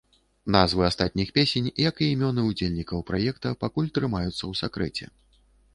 Назвы астатніх песень, як і імёны ўдзельнікаў праекта, пакуль трымаюцца ў сакрэце.